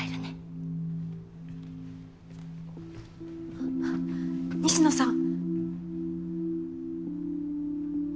あっ西野さん。